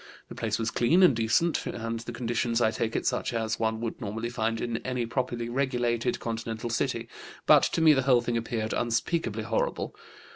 The place was clean and decent, and the conditions, I take it, such as one would normally find in any properly regulated continental city; but to me the whole thing appeared unspeakably horrible.